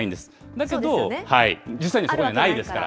だけど、実際にそこにはないですから。